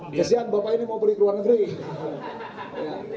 benar sudah berapa lama kerja di situ